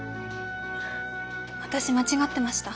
私間違ってました。